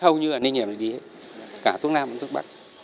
hầu như ở nơi nhà mình đi hết cả thuốc nam và thuốc bắc